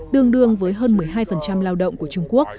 tương đương với hơn một mươi hai lao động của trung quốc